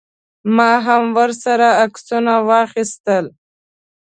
ما هم ورسره عکسونه واخیستل.